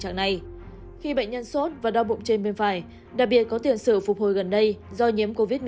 khi bệnh nhân sốt và đau bụng trên bên phải đặc biệt có tiền sự phục hồi gần đây do nhiễm covid một mươi chín